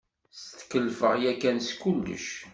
Setkelfeɣ yakan s kullec.